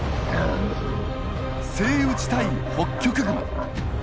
セイウチ対ホッキョクグマ。